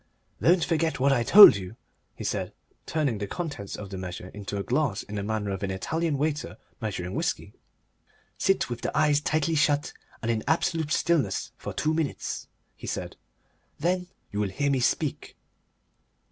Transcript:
"Don't forget what I told you," he said, turning the contents of the measure into a glass in the manner of an Italian waiter measuring whisky. "Sit with the eyes tightly shut and in absolute stillness for two minutes," he said. "Then you will hear me speak."